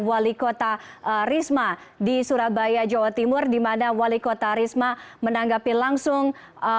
wali kota risma di surabaya jawa timur di mana wali kota risma menanggapi langsung